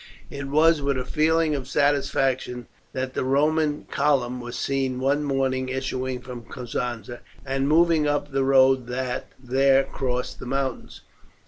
It was with a feeling of satisfaction that the Roman column was seen one morning issuing from Cosenza and moving up the road that there crossed the mountains.